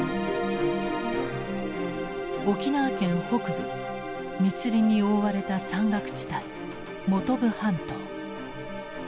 沖縄県北部密林に覆われた山岳地帯本部半島。